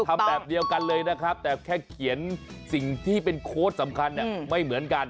ทำแบบเดียวกันเลยนะครับแต่แค่เขียนสิ่งที่เป็นโค้ดสำคัญเนี่ยไม่เหมือนกัน